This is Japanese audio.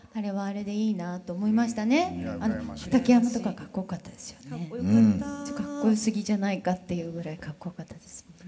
かっこよすぎじゃないかっていうぐらいかっこよかったですよね。